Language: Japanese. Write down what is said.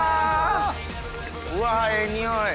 わええ匂い。